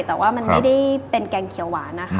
แต่ว่ามันไม่ได้เป็นแกงเขียวหวานนะคะ